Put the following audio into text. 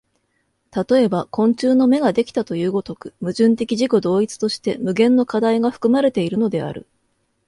例えば昆虫の眼ができたという如く、矛盾的自己同一として無限の課題が含まれているのである。